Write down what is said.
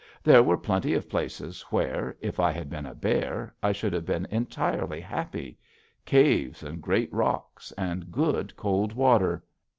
There were plenty of places where, if I had been a bear, I should have been entirely happy caves and great rocks, and good, cold water.